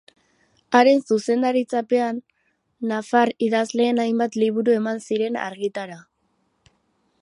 Haren zuzendaritzapean, nafar idazleen hainbat liburu eman ziren argitara.